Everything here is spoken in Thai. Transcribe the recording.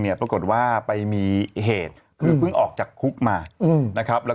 ปรากฏว่าไปมีเหตุคือเพิ่งออกจากคุกมานะครับแล้ว